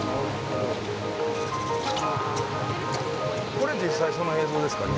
これ実際その映像ですかね。